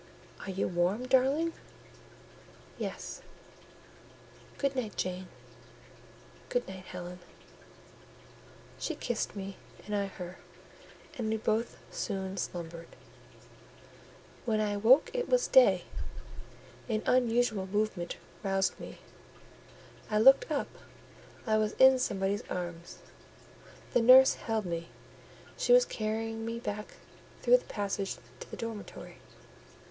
"Are you warm, darling?" "Yes." "Good night, Jane." "Good night, Helen." She kissed me, and I her, and we both soon slumbered. When I awoke it was day: an unusual movement roused me; I looked up; I was in somebody's arms; the nurse held me; she was carrying me through the passage back to the dormitory.